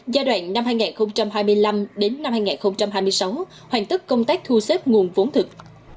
giai đoạn năm hai nghìn hai mươi năm hai nghìn hai mươi sáu hoàn tất công tác thu xếp nguồn vốn thực